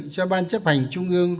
cho ban chấp hành trung ương